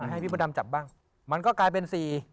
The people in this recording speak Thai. ให้พี่มดดำจับบ้างมันก็กลายเป็นสี่